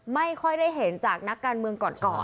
ไม่ค่อยได้เห็นจากนักการเมืองก่อน